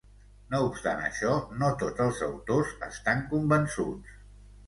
No obstant això, no tots els autors estan convençuts.